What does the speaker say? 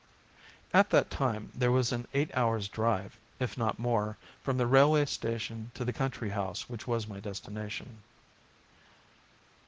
At that time there was an eight hours' drive, if not more, from the railway station to the country house which was my destination.